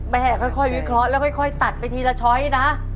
ค่อยวิเคราะห์แล้วค่อยตัดไปทีละช้อยนะ